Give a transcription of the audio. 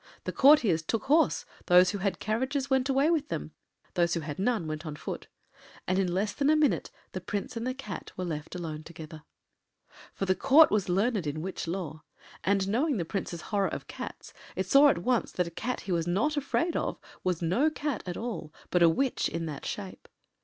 The courtiers took horse, those who had carriages went away in them, those who had none went on foot, and in less than a minute the Prince and the Cat were left alone together. For the Court was learned in witch law, and knowing the Prince’s horror of cats it saw at once that a cat he was not afraid of was no cat at all, but a witch in that shape.